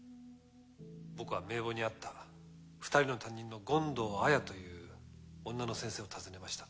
僕は名簿にあった２人の担任の権藤綾という女の先生を訪ねました。